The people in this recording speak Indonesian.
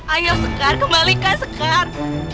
ayo sekar kembalikan sekar